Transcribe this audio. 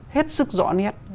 hết sức rõ nét